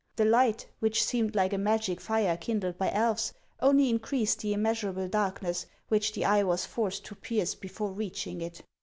The light, which seemed like a magic fire kindled by elves, only increased the immea surable darkness which the eye was forced to pierce before reaching it.